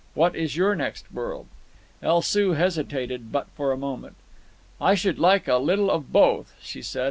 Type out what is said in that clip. "What is your next world?" El Soo hesitated but for a moment. "I should like a little of both," she said.